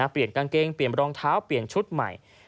เปลี่ยนกางเกงเปลี่ยนรองเท้าเปลี่ยนชุดใหม่